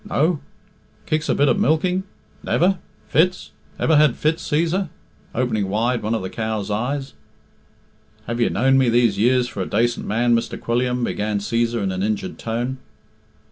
No? Kicks a bit at milking? Never? Fits? Ever had fits, Cæsar?" opening wide one of the cow's eyes. "Have you known me these years for a dacent man, Mr. Quilliam " began Cæsar in an injured tone.